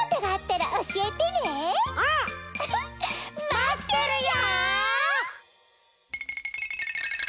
まってるよ！